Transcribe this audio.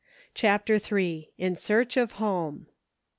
CHAPTER III. IN SEARCH OF HOME.